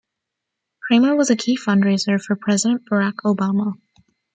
Kramer was a key fundraiser for president Barack Obama.